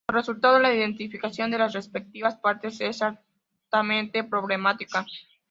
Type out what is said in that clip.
Como resultado la identificación de las respectivas partes es altamente problemática.